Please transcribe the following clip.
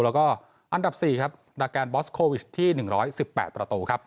แล้วก็อันดับ๔ระแกนบอสโควิสที่๑๑๘ประตู